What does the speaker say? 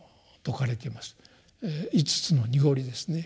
五つの濁りですね。